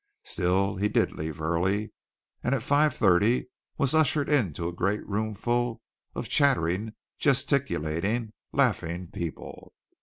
Still he did leave early, and at five thirty was ushered into a great roomful of chattering, gesticulating, laughing people.